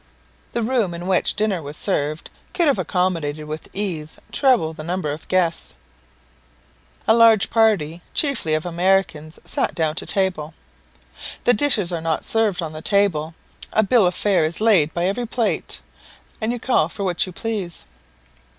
The room in which dinner was served could have accommodated with ease treble the number of guests. A large party, chiefly Americans, sat down to table. The dishes are not served on the table; a bill of fare is laid by every plate, and you call for what you please.